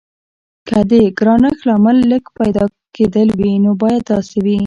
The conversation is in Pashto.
که د ګرانښت لامل لږ پیدا کیدل وي نو باید داسې وي.